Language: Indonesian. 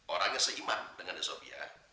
orang yang seimat dengan desofia